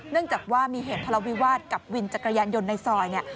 เนื่องจากว่ามีเหตุธรรมวิวาสกับวินจักรยานยนต์ในซอย